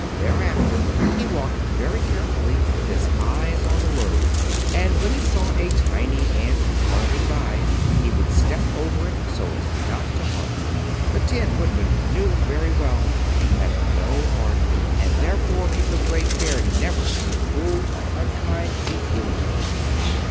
Thereafter he walked very carefully, with his eyes on the road, and when he saw a tiny ant toiling by he would step over it, so as not to harm it. The Tin Woodman knew very well he had no heart, and therefore he took great care never to be cruel or unkind to anything.